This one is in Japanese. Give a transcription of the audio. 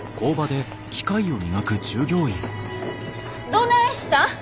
どないしたん。